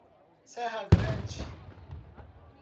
Serra Grande